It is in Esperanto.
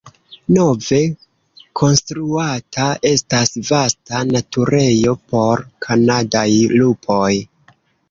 Nove konstruata estas vasta naturejo por kanadaj lupoj.